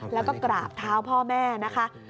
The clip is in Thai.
แล้วก็กราบเท้าพ่อแม่นะคะ